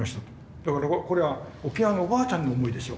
だからこれは沖縄のおばあちゃんの思いですよ。